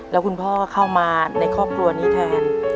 แล้วคุณพ่อเข้ามาในครอบครัวนี้แทน